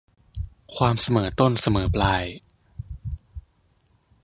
ความเสมอต้นเสมอปลาย